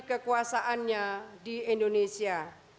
kekuasaannya di indonesia